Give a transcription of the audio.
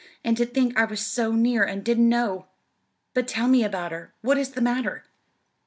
"And to think I was so near and didn't know! But tell me about her. What is the matter?"